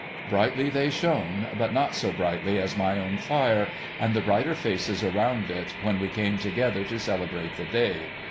Brightly they shone, but not so brightly as my own fire, and the brighter faces around it, when we came together to celebrate the day.